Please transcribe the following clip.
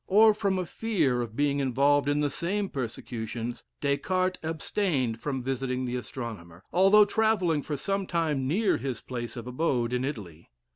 or from a fear of being involved in the same persecutions, Des Cartes abstained from visiting the astronomer, although travelling for some time near his place of abode in Italy.